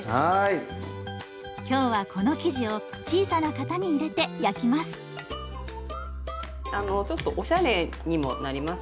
今日はこの生地を小さな型に入れて焼きます。